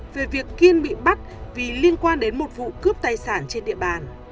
về việc kiên bị bắt vì liên quan đến một vụ cướp tài sản trên địa bàn